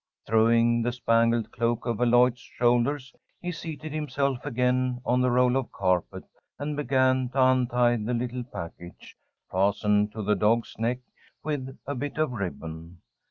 Throwing the spangled cloak over Lloyd's shoulders, he seated himself again on the roll of carpet, and began to untie the little package fastened to the dog's neck with a bit of ribbon.